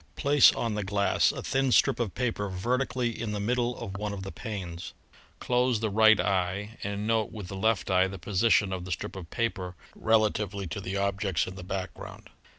Place on the glass a thin strip of paper vertically in the middle of one of the panes. Close the right eye and note with the left eye the position of the strip of paper rela tively to the objects in the background.